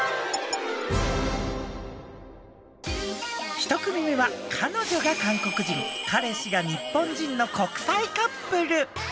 １組目は彼女が韓国人彼氏が日本人の国際カップル。